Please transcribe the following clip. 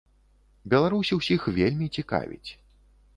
Беларусь усіх вельмі цікавіць.